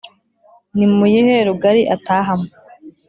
nimuyihe rugari ataha mo